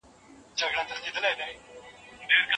تعصب د انسان سترګې پټوي.